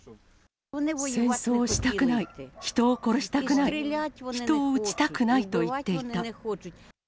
戦争をしたくない、人を殺したくない、人を撃ちたくないと言っていた。